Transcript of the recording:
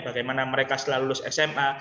bagaimana mereka setelah lulus sma